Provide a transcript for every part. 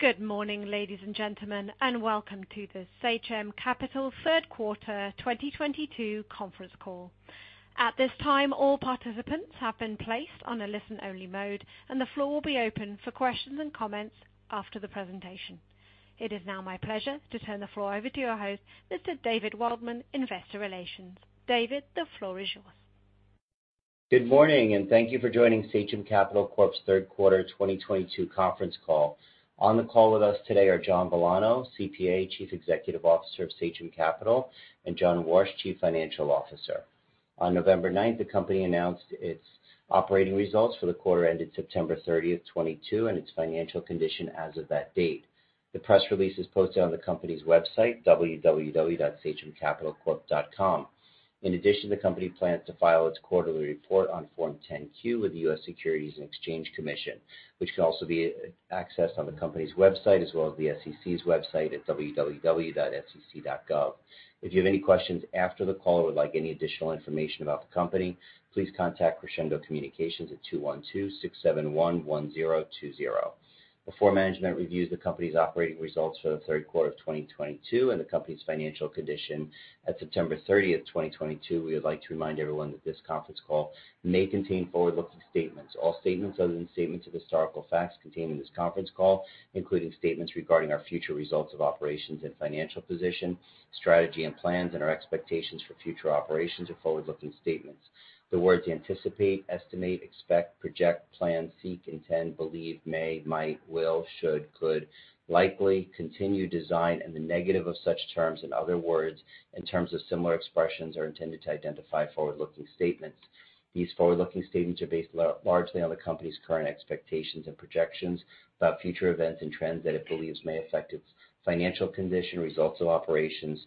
Good morning, ladies and gentlemen, and welcome to the Sachem Capital third quarter 2022 conference call. At this time, all participants have been placed on a listen-only mode, and the floor will be open for questions and comments after the presentation. It is now my pleasure to turn the floor over to your host, Mr. David Waldman, Investor Relations. David, the floor is yours. Good morning, and thank you for joining Sachem Capital Corp.'s third quarter 2022 conference call. On the call with us today are John Villano, CPA, Chief Executive Officer of Sachem Capital, and John Warch, Chief Financial Officer. On November 9, the company announced its operating results for the quarter ended September 30th, 2022 and its financial condition as of that date. The press release is posted on the company's website, www.sachemcapitalcorp.com. In addition, the company plans to file its quarterly report on Form 10-Q with the U.S. Securities and Exchange Commission, which can also be accessed on the company's website as well as the SEC's website at www.sec.gov. If you have any questions after the call or would like any additional information about the company, please contact Crescendo Communications at 212-671-1020. Before management reviews the company's operating results for the third quarter of 2022 and the company's financial condition at September 30th, 2022, we would like to remind everyone that this conference call may contain forward-looking statements. All statements other than statements of historical facts contained in this conference call, including statements regarding our future results of operations and financial position, strategy and plans, and our expectations for future operations are forward-looking statements. The words anticipate, estimate, expect, project, plan, seek, intend, believe, may, might, will, should, could, likely, continue, design, and the negative of such terms and other words and terms of similar expressions are intended to identify forward-looking statements. These forward-looking statements are based largely on the company's current expectations and projections about future events and trends that it believes may affect its financial condition, results of operations,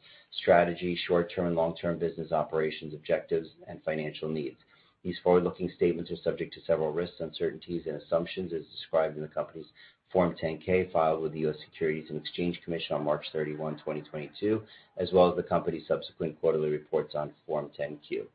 strategy, short-term and long-term business operations, objectives, and financial needs. These forward-looking statements are subject to several risks, uncertainties, and assumptions as described in the company's Form 10-K filed with the U.S. Securities and Exchange Commission on March 31, 2022, as well as the company's subsequent quarterly reports on Form 10-Q.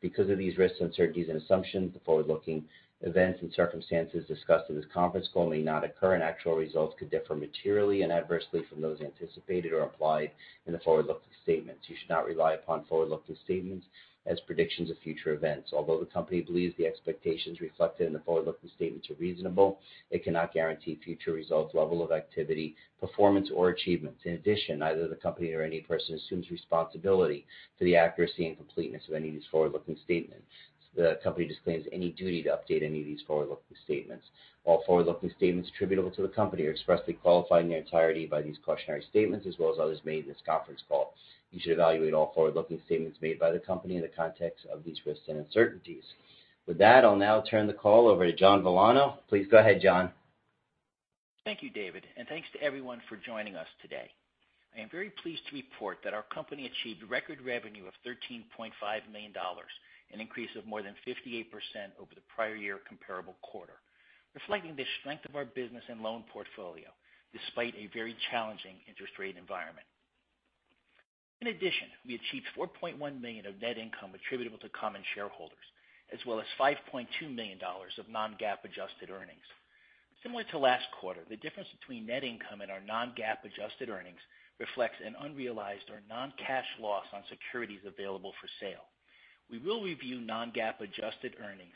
Because of these risks, uncertainties, and assumptions, the forward-looking events and circumstances discussed in this conference call may not occur, and actual results could differ materially and adversely from those anticipated or implied in the forward-looking statements. You should not rely upon forward-looking statements as predictions of future events. Although the company believes the expectations reflected in the forward-looking statements are reasonable, it cannot guarantee future results, level of activity, performance, or achievements. In addition, neither the company nor any person assumes responsibility for the accuracy and completeness of any of these forward-looking statements. The company disclaims any duty to update any of these forward-looking statements. All forward-looking statements attributable to the company are expressly qualified in their entirety by these cautionary statements as well as others made in this conference call. You should evaluate all forward-looking statements made by the company in the context of these risks and uncertainties. With that, I'll now turn the call over to John Villano. Please go ahead, John. Thank you, David, and thanks to everyone for joining us today. I am very pleased to report that our company achieved record revenue of $13.5 million, an increase of more than 58% over the prior year comparable quarter, reflecting the strength of our business and loan portfolio despite a very challenging interest rate environment. In addition, we achieved $4.1 million of net income attributable to common shareholders as well as $5.2 million of non-GAAP adjusted earnings. Similar to last quarter, the difference between net income and our non-GAAP adjusted earnings reflects an unrealized or non-cash loss on securities available for sale. We will review non-GAAP adjusted earnings.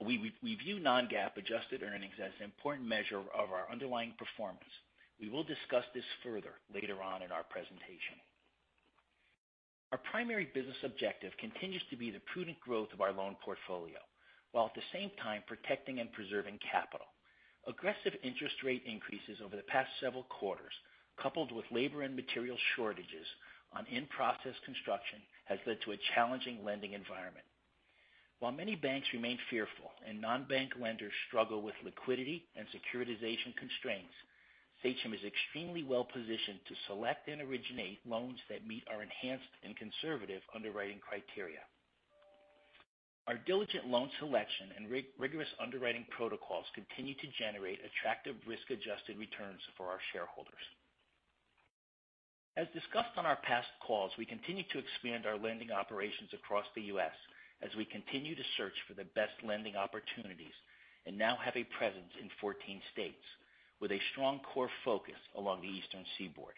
We review non-GAAP adjusted earnings as an important measure of our underlying performance. We will discuss this further later on in our presentation. Our primary business objective continues to be the prudent growth of our loan portfolio, while at the same time, protecting and preserving capital. Aggressive interest rate increases over the past several quarters, coupled with labor and material shortages on in-process construction, has led to a challenging lending environment. While many banks remain fearful and non-bank lenders struggle with liquidity and securitization constraints, Sachem is extremely well-positioned to select and originate loans that meet our enhanced and conservative underwriting criteria. Our diligent loan selection and rigorous underwriting protocols continue to generate attractive risk-adjusted returns for our shareholders. As discussed on our past calls, we continue to expand our lending operations across the U.S. as we continue to search for the best lending opportunities and now have a presence in 14 states with a strong core focus along the Eastern Seaboard.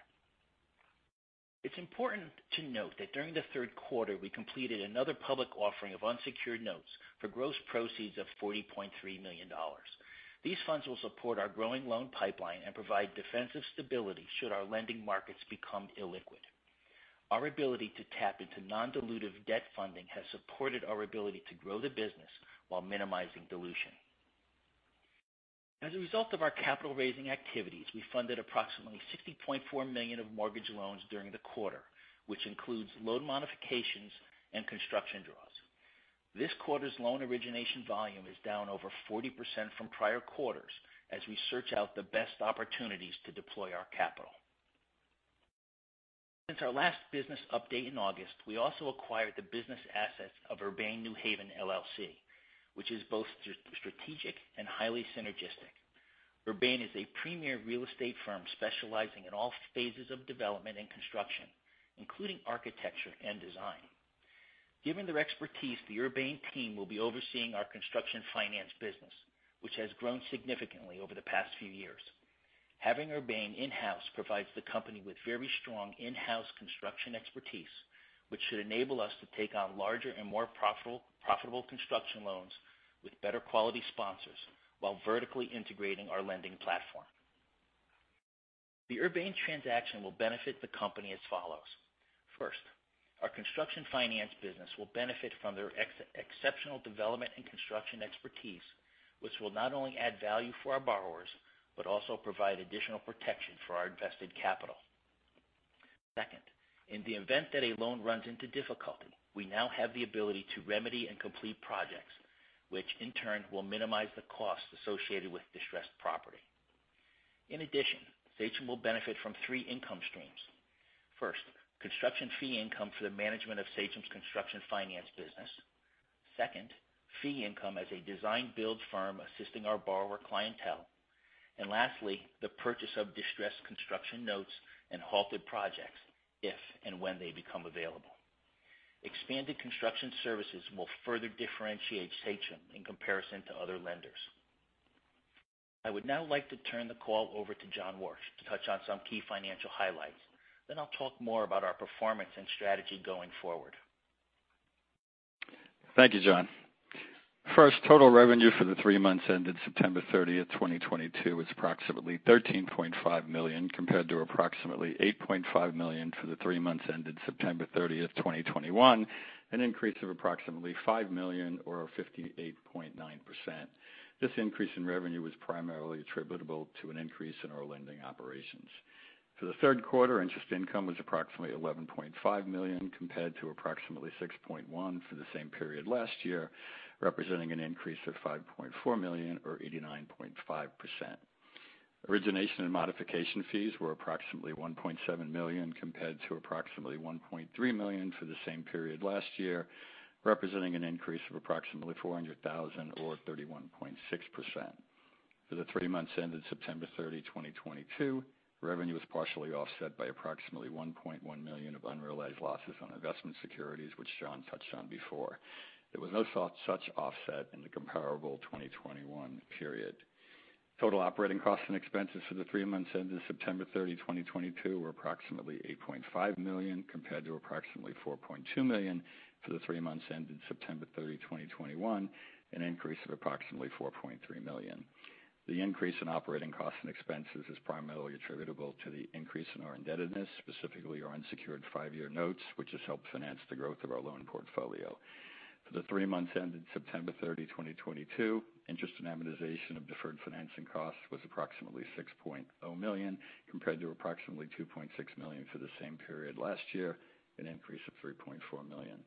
It's important to note that during the third quarter, we completed another public offering of unsecured notes for gross proceeds of $40.3 million. These funds will support our growing loan pipeline and provide defensive stability should our lending markets become illiquid. Our ability to tap into non-dilutive debt funding has supported our ability to grow the business while minimizing dilution. As a result of our capital-raising activities, we funded approximately $60.4 million of mortgage loans during the quarter, which includes loan modifications and construction draws. This quarter's loan origination volume is down over 40% from prior quarters as we search out the best opportunities to deploy our capital. Since our last business update in August, we also acquired the business assets of Urbane New Haven, LLC, which is both strategic and highly synergistic. Urbane is a premier real estate firm specializing in all phases of development and construction, including architecture and design. Given their expertise, the Urbane team will be overseeing our Construction Finance business, which has grown significantly over the past few years. Having Urbane in-house provides the company with very strong in-house construction expertise, which should enable us to take on larger and more profitable construction loans with better quality sponsors while vertically integrating our lending platform. The Urbane transaction will benefit the company as follows. First, our construction finance business will benefit from their exceptional development and construction expertise, which will not only add value for our borrowers, but also provide additional protection for our invested capital. Second, in the event that a loan runs into difficulty, we now have the ability to remedy and complete projects, which in turn will minimize the costs associated with distressed property. In addition, Sachem will benefit from three income streams. First, construction fee income for the management of Sachem's construction finance business. Second, fee income as a design build firm assisting our borrower clientele. And lastly, the purchase of distressed construction notes and halted projects if and when they become available. Expanded construction services will further differentiate Sachem in comparison to other lenders. I would now like to turn the call over to John Warch to touch on some key financial highlights. I'll talk more about our performance and strategy going forward. Thank you, John. First, total revenue for the three months ended September 30th, 2022 is approximately $13.5 million, compared to approximately $8.5 million for the three months ended September 30th, 2021, an increase of approximately $5 million or 58.9%. This increase in revenue was primarily attributable to an increase in our lending operations. For the third quarter, interest income was approximately $11.5 million, compared to approximately $6.1 million for the same period last year, representing an increase of $5.4 million or 89.5%. Origination and modification fees were approximately $1.7 million compared to approximately $1.3 million for the same period last year, representing an increase of approximately $400,000 or 31.6%. For the three months ended September 30, 2022, revenue was partially offset by approximately $1.1 million of unrealized losses on investment securities, which John touched on before. There was no such offset in the comparable 2021 period. Total operating costs and expenses for the three months ended September 30, 2022 were approximately $8.5 million, compared to approximately $4.2 million for the three months ended September 30, 2021, an increase of approximately $4.3 million. The increase in operating costs and expenses is primarily attributable to the increase in our indebtedness, specifically our unsecured five-year notes, which has helped finance the growth of our loan portfolio. For the three months ended September 30, 2022, interest and amortization of deferred financing costs was approximately $6.0 million, compared to approximately $2.6 million for the same period last year, an increase of $3.4 million.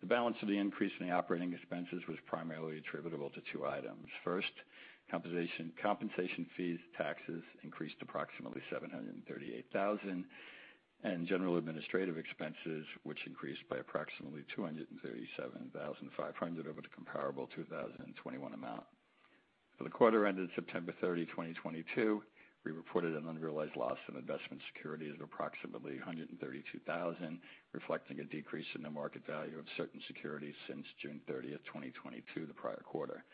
The balance of the increase in the operating expenses was primarily attributable to two items. First, compensation fees, taxes increased approximately $738,000, and general administrative expenses, which increased by approximately $237,500 over the comparable 2021 amount. For the quarter ended September 30, 2022, we reported an unrealized loss in investment securities of approximately $132,000, reflecting a decrease in the market value of certain securities since June 30, 2022, the prior quarter.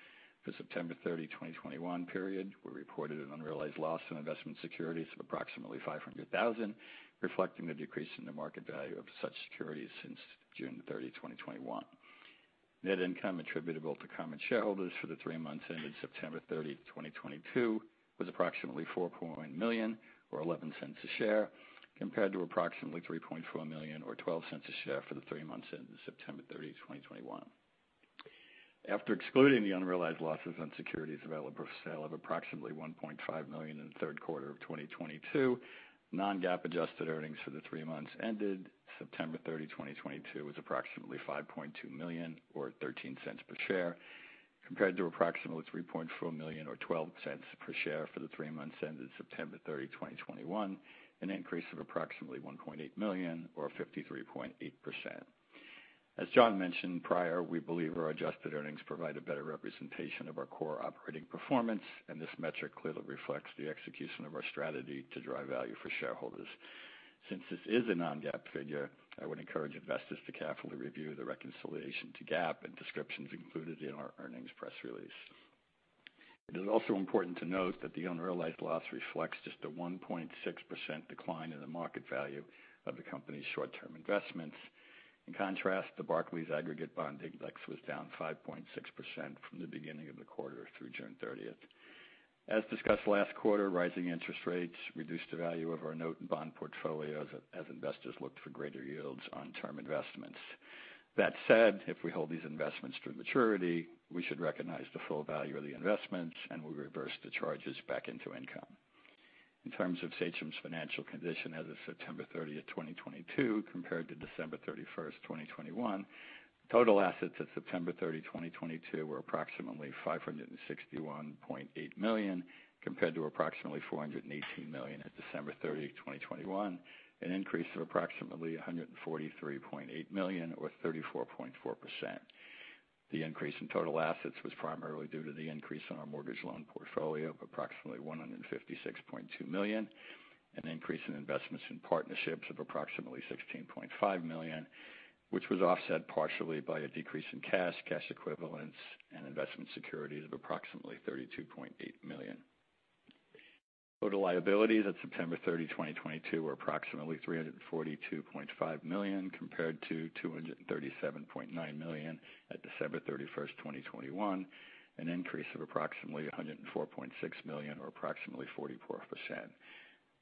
For September 30, 2021 period, we reported an unrealized loss in investment securities of approximately $500,000, reflecting the decrease in the market value of such securities since June 30, 2021. Net income attributable to common shareholders for the three months ended September 30, 2022 was approximately $4 million or $0.11 a share, compared to approximately $3.4 million or $0.12 a share for the three months ended September 30, 2021. After excluding the unrealized losses on securities available-for-sale of approximately $1.5 million in the third quarter of 2022, non-GAAP adjusted earnings for the three months ended September 30, 2022 was approximately $5.2 million or $0.13 per share, compared to approximately $3.4 million or $0.12 per share for the three months ended September 30, 2021, an increase of approximately $1.8 million or 53.8%. As John mentioned prior, we believe our adjusted earnings provide a better representation of our core operating performance, and this metric clearly reflects the execution of our strategy to drive value for shareholders. Since this is a non-GAAP figure, I would encourage investors to carefully review the reconciliation to GAAP and descriptions included in our earnings press release. It is also important to note that the unrealized loss reflects just a 1.6% decline in the market value of the company's short-term investments. In contrast, the Barclays Aggregate Bond Index was down 5.6% from the beginning of the quarter through June 30th. As discussed last quarter, rising interest rates reduced the value of our note and bond portfolios as investors looked for greater yields on term investments. That said, if we hold these investments to maturity, we should recognize the full value of the investments, and we reverse the charges back into income. In terms of Sachem's financial condition as of September 30th, 2022 compared to December 31st, 2021, total assets at September 30, 2022 were approximately $561.8 million, compared to approximately $418 million at December 30, 2021, an increase of approximately $143.8 million or 34.4%. The increase in total assets was primarily due to the increase in our mortgage loan portfolio of approximately $156.2 million, an increase in investments in partnerships of approximately $16.5 million, which was offset partially by a decrease in cash equivalents and investment securities of approximately $32.8 million. Total liabilities at September 30, 2022 were approximately $342.5 million, compared to $237.9 million at December 31st, 2021, an increase of approximately $104.6 million, or approximately 44%.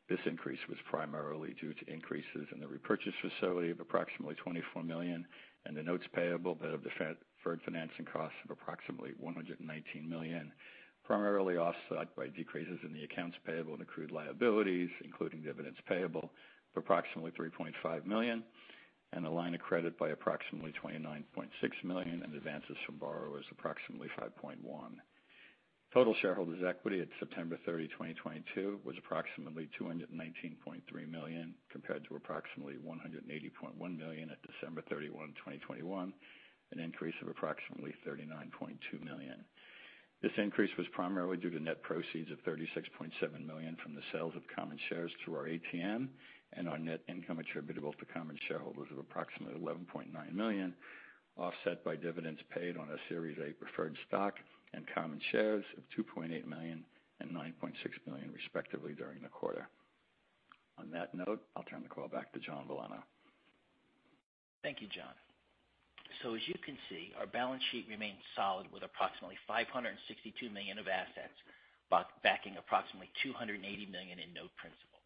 This increase was primarily due to increases in the repurchase facility of approximately $24 million and the notes payable that have deferred financing costs of approximately $119 million, primarily offset by decreases in the accounts payable and accrued liabilities, including dividends payable of approximately $3.5 million and a line of credit by approximately $29.6 million and advances from borrowers approximately $5.1 million. Total shareholders' equity at September 30, 2022 was approximately $219.3 million, compared to approximately $180.1 million at December 31, 2021, an increase of approximately $39.2 million. This increase was primarily due to net proceeds of $36.7 million from the sales of common shares through our ATM and our net income attributable to common shareholders of approximately $11.9 million, offset by dividends paid on our Series A preferred stock and common shares of $2.8 million and $9.6 million respectively during the quarter. On that note, I'll turn the call back to John Villano. Thank you, John. As you can see, our balance sheet remains solid with approximately $562 million of assets backing approximately $280 million in note principal.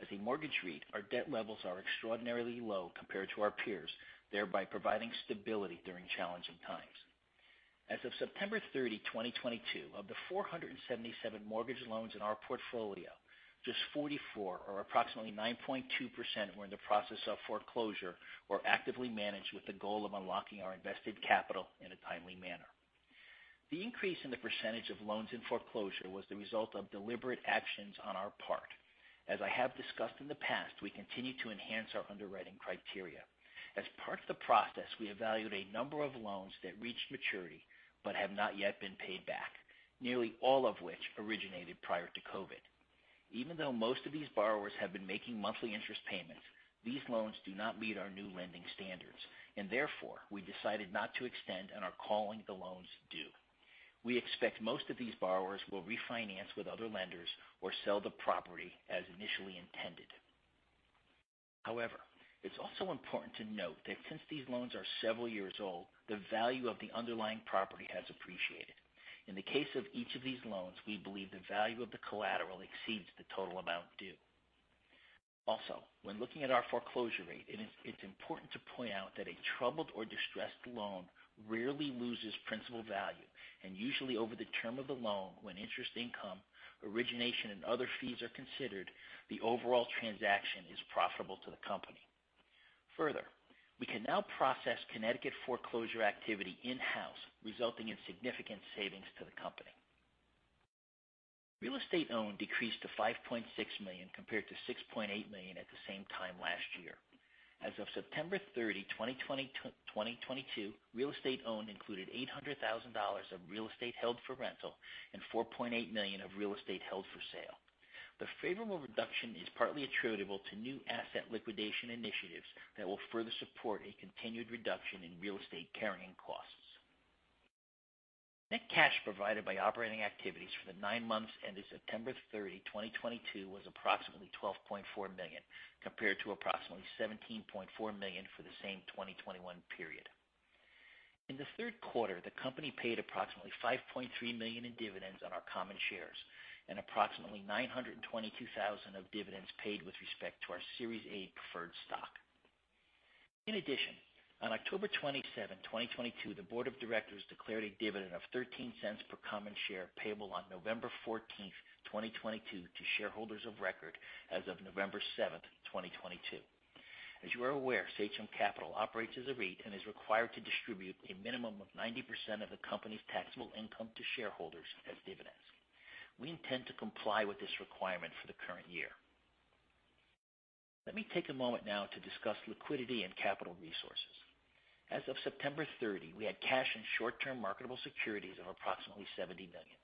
As a mortgage REIT, our debt levels are extraordinarily low compared to our peers, thereby providing stability during challenging times. As of September 30, 2022, of the 477 mortgage loans in our portfolio, just 44 or approximately 9.2% were in the process of foreclosure or actively managed with the goal of unlocking our invested capital in a timely manner. The increase in the percentage of loans in foreclosure was the result of deliberate actions on our part. As I have discussed in the past, we continue to enhance our underwriting criteria. As part of the process, we evaluate a number of loans that reach maturity but have not yet been paid back, nearly all of which originated prior to COVID. Even though most of these borrowers have been making monthly interest payments, these loans do not meet our new lending standards and therefore we decided not to extend and are calling the loans due. We expect most of these borrowers will refinance with other lenders or sell the property as initially intended. However, it's also important to note that since these loans are several years old, the value of the underlying property has appreciated. In the case of each of these loans, we believe the value of the collateral exceeds the total amount due. Also, when looking at our foreclosure rate, it's important to point out that a troubled or distressed loan rarely loses principal value. Usually over the term of the loan, when interest income, origination, and other fees are considered, the overall transaction is profitable to the company. Further, we can now process Connecticut foreclosure activity in-house, resulting in significant savings to the company. Real estate owned decreased to $5.6 million compared to $6.8 million at the same time last year. As of September 30, 2022, real estate owned included $800,000 of real estate held for rental and $4.8 million of real estate held for sale. The favorable reduction is partly attributable to new asset liquidation initiatives that will further support a continued reduction in real estate carrying costs. Net cash provided by operating activities for the nine months ended September 30, 2022, was approximately $12.4 million, compared to approximately $17.4 million for the same 2021 period. In the third quarter, the company paid approximately $5.3 million in dividends on our common shares and approximately $922,000 of dividends paid with respect to our Series A preferred stock. In addition, on October 27, 2022, the board of directors declared a dividend of $0.13 per common share payable on November 14th, 2022 to shareholders of record as of November 7th, 2022. As you are aware, Sachem Capital operates as a REIT and is required to distribute a minimum of 90% of the company's taxable income to shareholders as dividends. We intend to comply with this requirement for the current year. Let me take a moment now to discuss liquidity and capital resources. As of September 30, we had cash and short-term marketable securities of approximately $70 million.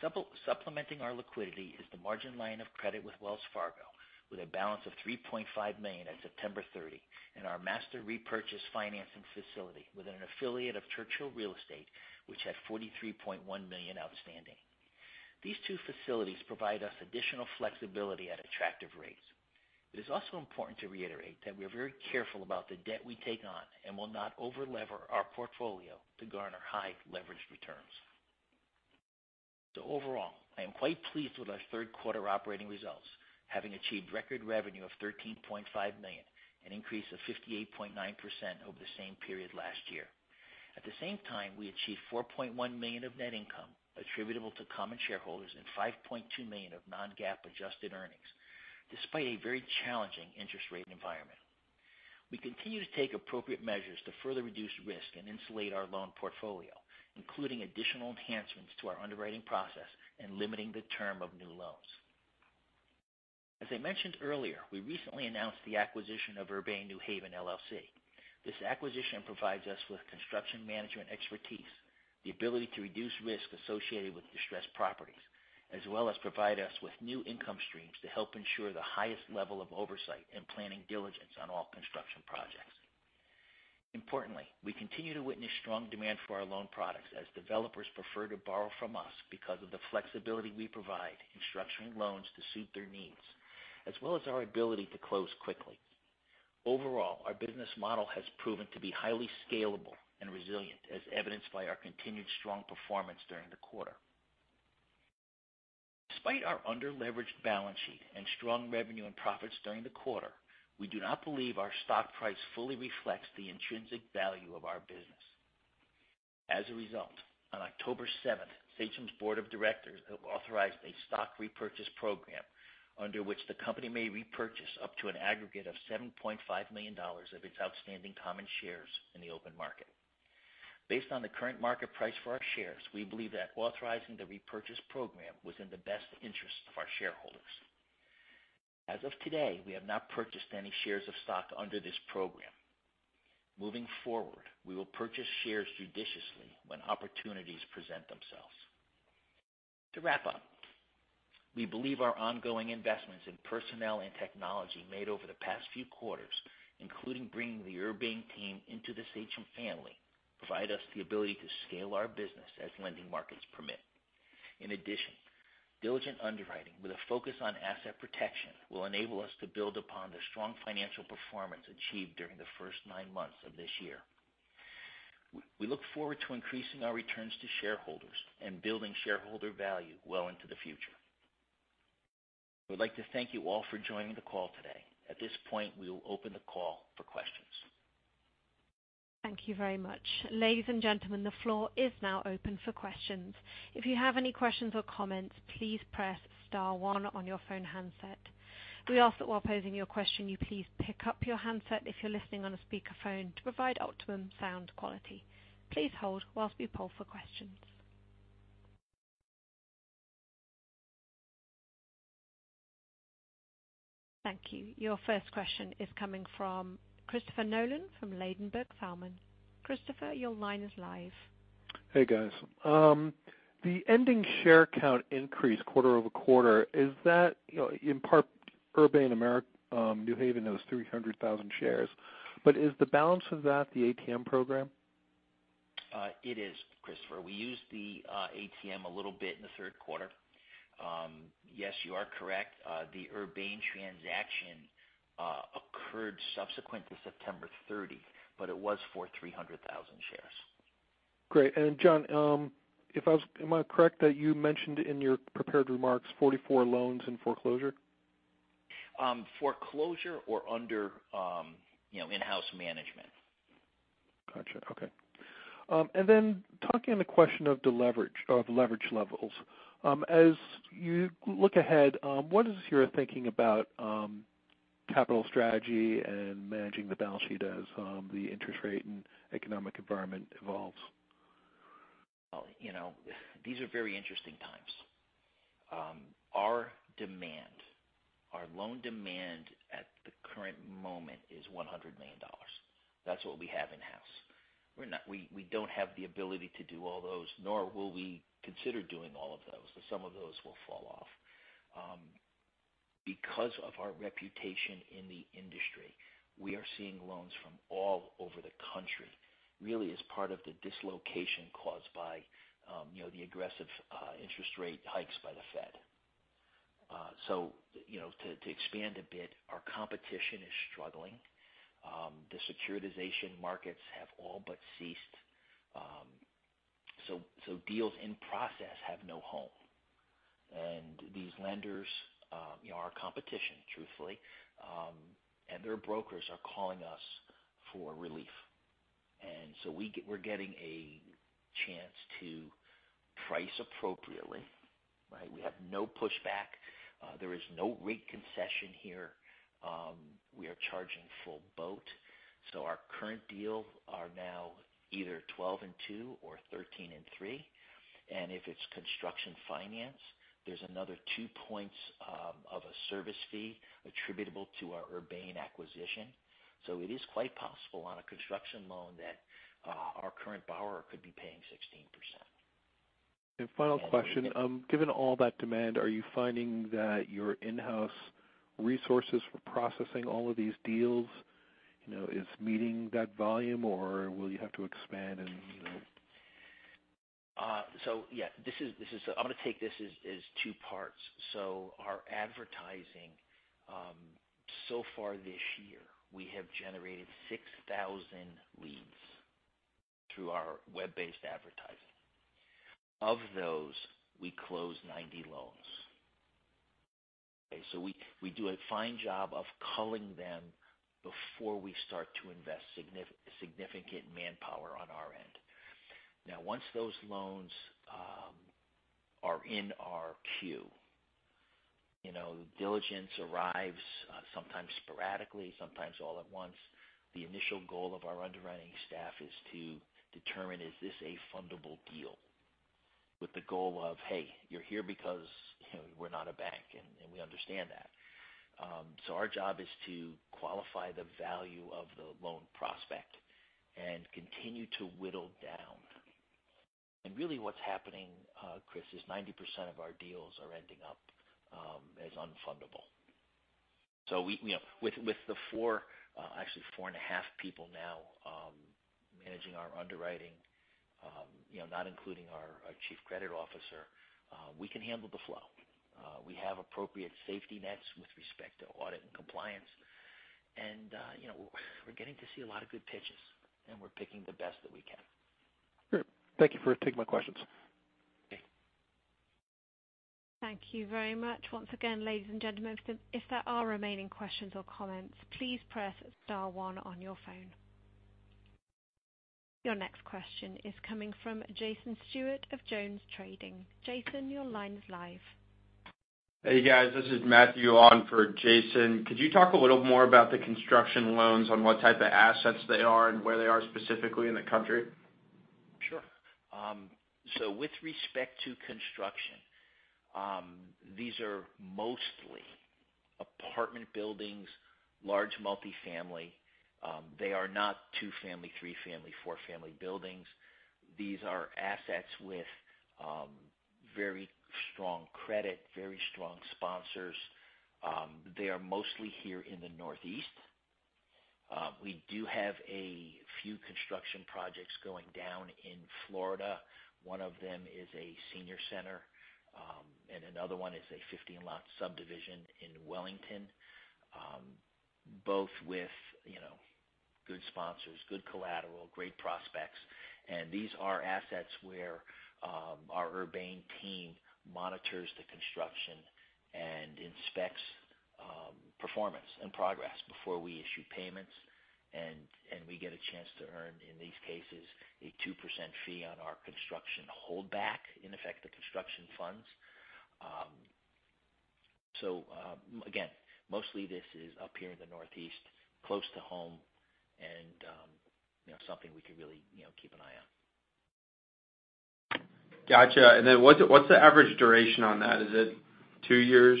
Simply, supplementing our liquidity is the margin line of credit with Wells Fargo, with a balance of $3.5 million at September 30, and our master repurchase financing facility with an affiliate of Churchill Real Estate, which had $43.1 million outstanding. These two facilities provide us additional flexibility at attractive rates. It is also important to reiterate that we are very careful about the debt we take on and will not over-lever our portfolio to garner high leverage returns. Overall, I am quite pleased with our third quarter operating results, having achieved record revenue of $13.5 million, an increase of 58.9% over the same period last year. At the same time, we achieved $4.1 million of net income attributable to common shareholders and $5.2 million of non-GAAP adjusted earnings, despite a very challenging interest rate environment. We continue to take appropriate measures to further reduce risk and insulate our loan portfolio, including additional enhancements to our underwriting process and limiting the term of new loans. As I mentioned earlier, we recently announced the acquisition of Urbane New Haven, LLC. This acquisition provides us with construction management expertise, the ability to reduce risk associated with distressed properties, as well as provide us with new income streams to help ensure the highest level of oversight and planning diligence on all construction projects. Importantly, we continue to witness strong demand for our loan products as developers prefer to borrow from us because of the flexibility we provide in structuring loans to suit their needs, as well as our ability to close quickly. Overall, our business model has proven to be highly scalable and resilient, as evidenced by our continued strong performance during the quarter. Despite our under-leveraged balance sheet and strong revenue and profits during the quarter, we do not believe our stock price fully reflects the intrinsic value of our business. As a result, on October seventh, Sachem's board of directors authorized a stock repurchase program under which the company may repurchase up to an aggregate of $7.5 million of its outstanding common shares in the open market. Based on the current market price for our shares, we believe that authorizing the repurchase program was in the best interest of our shareholders. As of today, we have not purchased any shares of stock under this program. Moving forward, we will purchase shares judiciously when opportunities present themselves. To wrap up, we believe our ongoing investments in personnel and technology made over the past few quarters, including bringing the Urbane team into the Sachem family, provide us the ability to scale our business as lending markets permit. In addition, diligent underwriting with a focus on asset protection will enable us to build upon the strong financial performance achieved during the first nine months of this year. We look forward to increasing our returns to shareholders and building shareholder value well into the future. I would like to thank you all for joining the call today. At this point, we will open the call for questions. Thank you very much. Ladies and gentlemen, the floor is now open for questions. If you have any questions or comments, please press star one on your phone handset. We ask that while posing your question, you please pick up your handset if you're listening on a speakerphone to provide optimum sound quality. Please hold while we poll for questions. Thank you. Your first question is coming from Christopher Nolan from Ladenburg Thalmann. Christopher, your line is live. Hey, guys. The ending share count increase quarter-over-quarter, is that, you know, in part Urbane New Haven, those 300,000 shares. Is the balance of that the ATM program? It is, Christopher. We used the ATM a little bit in the third quarter. Yes, you are correct. The Urbane transaction occurred subsequent to September 30, but it was for 300,000 shares. Great. John, am I correct that you mentioned in your prepared remarks 44 loans in foreclosure? Foreclosure or under, you know, in-house management. Got you. Okay. Talking about the question of the leverage levels. As you look ahead, what is your thinking about capital strategy and managing the balance sheet as the interest rate and economic environment evolves? Well, you know, these are very interesting times. Our demand, our loan demand at the current moment is $100 million. That's what we have in-house. We're not, we don't have the ability to do all those, nor will we consider doing all of those, but some of those will fall off. Because of our reputation in the industry, we are seeing loans from all over the country, really as part of the dislocation caused by, you know, the aggressive interest rate hikes by the Fed. You know, to expand a bit, our competition is struggling. The securitization markets have all but ceased. Deals in process have no home. These lenders, you know, our competition, truthfully, and their brokers are calling us for relief. We're getting a chance to price appropriately, right? We have no pushback. There is no rate concession here. We are charging full boat. Our current deals are now either 12% and 2% or 13% and 3%. If it's construction finance, there's another two points of a service fee attributable to our Urbane acquisition. It is quite possible on a construction loan that our current borrower could be paying 16%. Final question. Given all that demand, are you finding that your in-house resources for processing all of these deals, you know, is meeting that volume or will you have to expand and, you know? Yeah. I'm got to take this as two parts. Our advertising so far this year, we have generated 6,000 leads through our web-based advertising. Of those, we closed 90 loans. Okay. We do a fine job of culling them before we start to invest significant manpower on our end. Now, once those loans are in our queue, you know, the diligence arrives, sometimes sporadically, sometimes all at once. The initial goal of our underwriting staff is to determine is this a fundable deal? With the goal of, hey, you're here because, you know, we're not a bank, and we understand that. Our job is to qualify the value of the loan prospect and continue to whittle down. Really what's happening, Chris, is 90% of our deals are ending up as unfundable. We, you know, with the 4.5 people now managing our underwriting, you know, not including our chief credit officer, we can handle the flow. We have appropriate safety nets with respect to audit and compliance. You know, we're getting to see a lot of good pitches, and we're picking the best that we can. Great. Thank you for taking my questions. Okay. Thank you very much. Once again, ladies and gentlemen, if there are remaining questions or comments, please press star one on your phone. Your next question is coming from Jason Stewart of Jones Trading. Jason, your line is live. Hey, guys. This is Matthew on for Jason. Could you talk a little more about the construction loans on what type of assets they are and where they are specifically in the country? Sure. With respect to construction, these are mostly apartment buildings, large multifamily. They are not two-family, three-family, four-family buildings. These are assets with very strong credit, very strong sponsors. They are mostly here in the Northeast. We do have a few construction projects going down in Florida. One of them is a senior center, and another one is a 15-lot subdivision in Wellington. Both with, you know, good sponsors, good collateral, great prospects. These are assets where our Urbane team monitors the construction and inspects performance and progress before we issue payments. We get a chance to earn, in these cases, a 2% fee on our construction holdback, in effect, the construction funds. Again, mostly this is up here in the Northeast, close to home and, you know, something we could really, you know, keep an eye on. Got you. What's the average duration on that? Is it two years?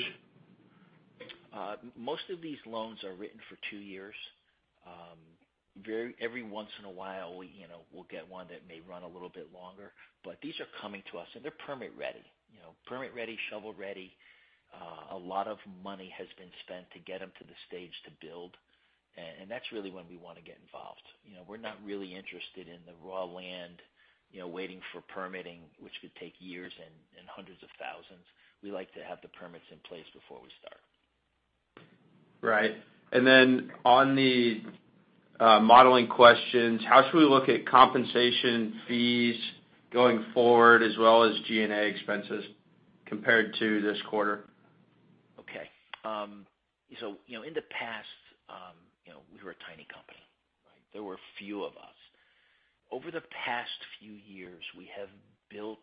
Most of these loans are written for two years. Every once in a while, we, you know, we'll get one that may run a little bit longer. These are coming to us, and they're permit ready. You know, permit ready, shovel ready. A lot of money has been spent to get them to the stage to build. That's really when we want to get involved. You know, we're not really interested in the raw land, you know, waiting for permitting, which could take years and hundreds of thousands. We like to have the permits in place before we start. Right. On the modeling questions, how should we look at compensation fees going forward as well as G&A expenses compared to this quarter? Okay. You know, in the past, you know, we were a tiny company, right? There were few of us. Over the past few years, we have built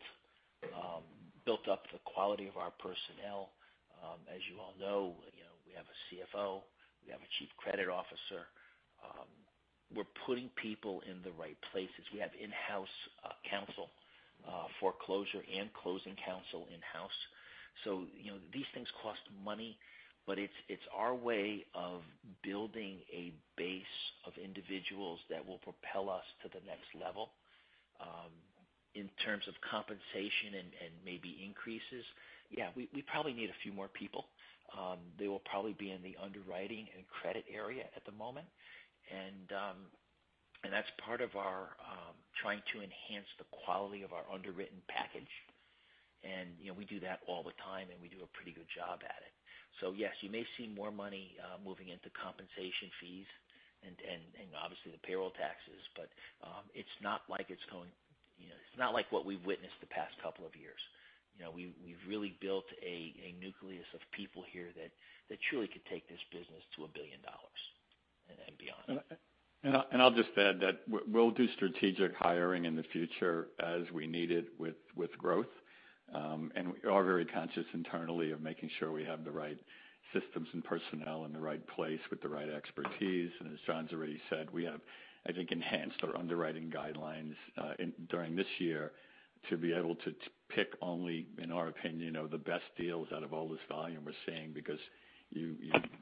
up the quality of our personnel. As you all know, you know, we have a CFO. We have a Chief Credit Officer. We're putting people in the right places. We have in-house counsel, foreclosure and closing counsel in-house. You know, these things cost money, but it's our way of building a base of individuals that will propel us to the next level. In terms of compensation and maybe increases, yeah, we probably need a few more people. They will probably be in the underwriting and credit area at the moment. That's part of our trying to enhance the quality of our underwritten package. You know, we do that all the time, and we do a pretty good job at it. Yes, you may see more money moving into compensation fees and obviously the payroll taxes. It's not like it's going, you know, it's not like what we've witnessed the past couple of years. You know, we've really built a nucleus of people here that truly could take this business to $1 billion and beyond. I'll just add that we'll do strategic hiring in the future as we need it with growth. We are very conscious internally of making sure we have the right systems and personnel in the right place with the right expertise. As John's already said, we have, I think, enhanced our underwriting guidelines during this year to be able to pick only, in our opinion, you know, the best deals out of all this volume we're seeing. Because you've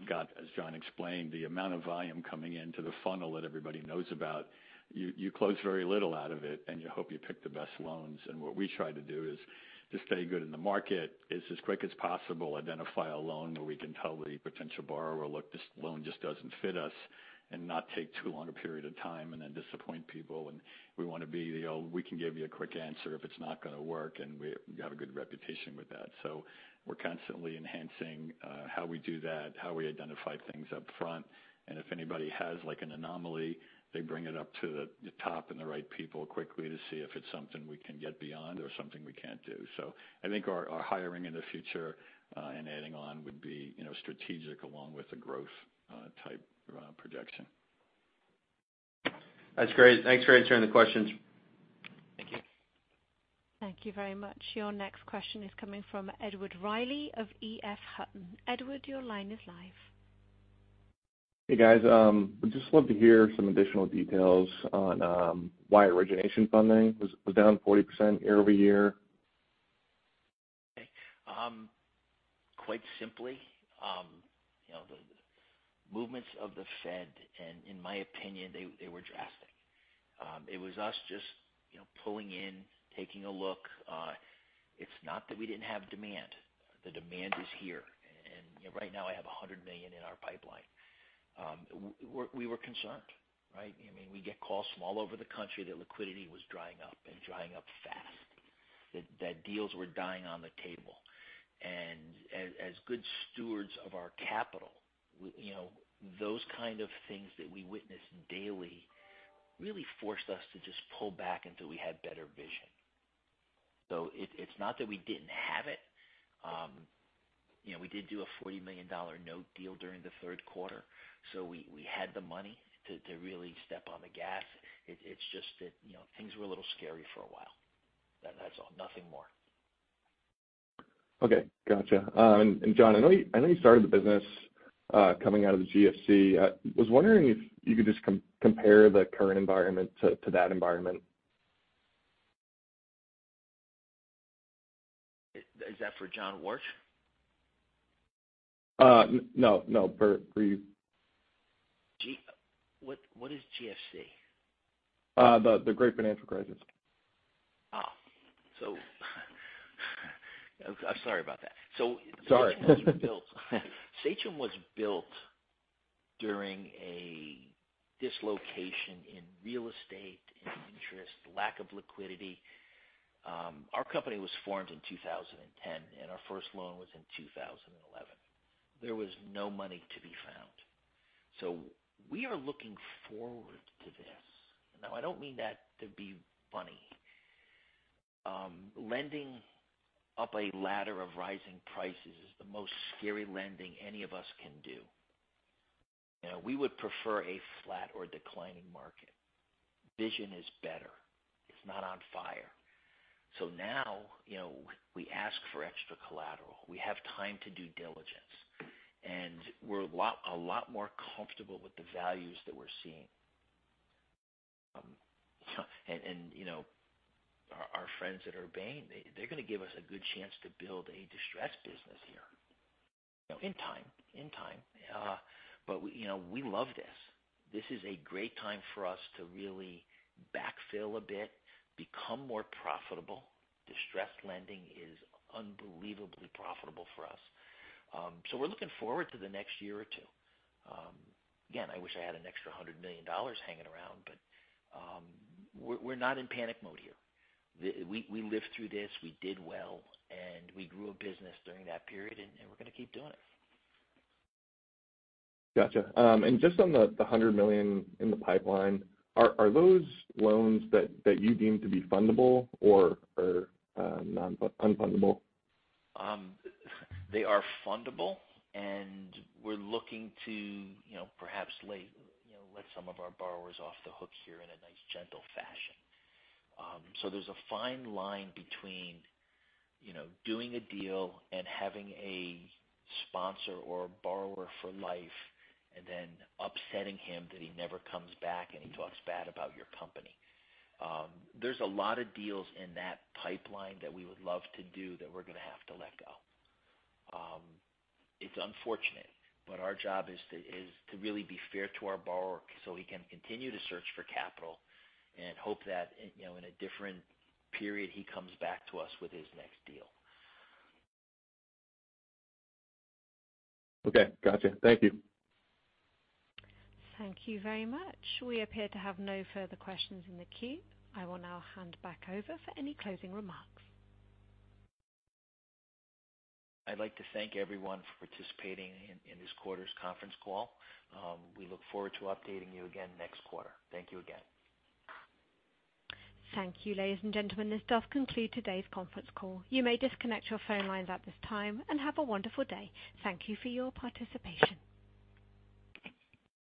got, as John explained, the amount of volume coming into the funnel that everybody knows about. You close very little out of it, and you hope you pick the best loans. What we try to do is to be as quick as possible in the market, identify a loan where we can tell the potential borrower, look, this loan just doesn't fit us, and not take too long a period of time and then disappoint people. We want to be the, oh, we can give you a quick answer if it's not got to work and we have a good reputation with that. We're constantly enhancing how we do that, how we identify things up front. If anybody has like an anomaly, they bring it up to the top and the right people quickly to see if it's something we can get beyond or something we can't do. I think our hiring in the future and adding on would be, you know, strategic along with the growth type projection. That's great. Thanks for answering the questions. Thank you. Thank you very much. Your next question is coming from Edward Riley of EF Hutton. Edward, your line is live. Hey guys, would just love to hear some additional details on why origination funding was down 40% year-over-year. Okay. Quite simply, you know, the movements of the Fed, and in my opinion, they were drastic. It was us just, you know, pulling in, taking a look. It's not that we didn't have demand. The demand is here. You know, right now I have $100 million in our pipeline. We were concerned, right? I mean, we get calls from all over the country that liquidity was drying up and drying up fast, that deals were dying on the table. As good stewards of our capital, you know, those kind of things that we witnessed daily really forced us to just pull back until we had better vision. It's not that we didn't have it. You know, we did do a $40 million note deal during the third quarter, so we had the money to really step on the gas. It's just that, you know, things were a little scary for a while. That's all. Nothing more. Okay. Got you. John, I know you started the business, coming out of the GFC. I was wondering if you could just compare the current environment to that environment. Is that for John Warch? No, no. For you. What is GFC? The Great Financial Crisis. I'm sorry about that. Sorry. Sachem was built during a dislocation in real estate, in interest, lack of liquidity. Our company was formed in 2010, and our first loan was in 2011. There was no money to be found. We are looking forward to this. Now, I don't mean that to be funny. Lending up a ladder of rising prices is the most scary lending any of us can do. You know, we would prefer a flat or declining market. Vision is better. It's not on fire. Now, you know, we ask for extra collateral. We have time to do diligence, and we're a lot more comfortable with the values that we're seeing. You know, our friends at Urbane, they're got to give us a good chance to build a distressed business here, you know, in time. We love this. This is a great time for us to really backfill a bit, become more profitable. Distressed lending is unbelievably profitable for us. We're looking forward to the next year or two. Again, I wish I had an extra $100 million hanging around, but we're not in panic mode here. We lived through this, we did well, and we grew a business during that period, and we're got to keep doing it. Got you. Just on the $100 million in the pipeline, are those loans that you deem to be fundable or non-fundable? They are fundable, and we're looking to, you know, perhaps, you know, let some of our borrowers off the hook here in a nice, gentle fashion. There's a fine line between, you know, doing a deal and having a sponsor or a borrower for life and then upsetting him that he never comes back and he talks bad about your company. There's a lot of deals in that pipeline that we would love to do that we're got to have to let go. It's unfortunate, but our job is to really be fair to our borrower so he can continue to search for capital and hope that, you know, in a different period, he comes back to us with his next deal. Okay. Got you. Thank you. Thank you very much. We appear to have no further questions in the queue. I will now hand back over for any closing remarks. I'd like to thank everyone for participating in this quarter's conference call. We look forward to updating you again next quarter. Thank you again. Thank you, ladies and gentlemen. This does conclude today's conference call. You may disconnect your phone lines at this time, and have a wonderful day. Thank you for your participation.